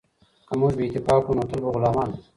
که موږ بې اتفاقه وو نو تل به غلامان وو.